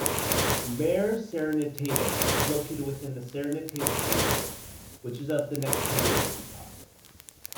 Mare Serenitatis is located within the Serenitatis basin, which is of the Nectarian epoch.